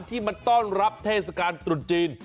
ที่มาต้อนรับเทศกาลตรุษจีน